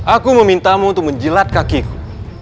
aku memintamu untuk menjilat kakiku